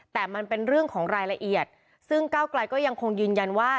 แต่มันเป็นเรื่องของรายละเอียดซึ่งก้าวไกลก็ยังคงยืนยันว่า